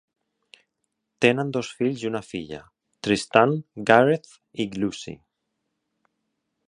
Tenen dos fills i una filla, Tristan, Gareth i Lucy.